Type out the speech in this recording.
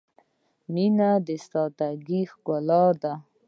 • مینه د سادګۍ ښکلا ده.